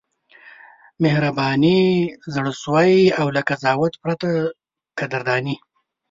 مهرباني، زړه سوی او له قضاوت پرته قدرداني: